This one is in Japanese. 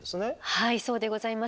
はいそうでございます。